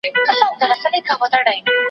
ماجت د گوزو ځاى نه دئ.